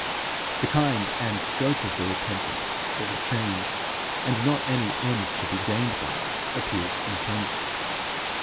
The kind and scope of the repentance or change, and not any end to be gained by it, appears intended.